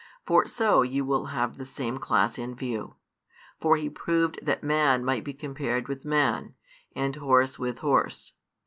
For so you will have the same class in view; for he proved that man might be compared with man, and horse with horse.